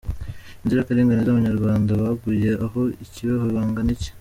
– Inzirakarengane z’abanyarwanda baguye aho i kibeho bangana iki ?